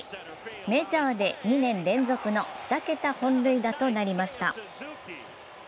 メジャーで２年連続の２桁本塁打となりました。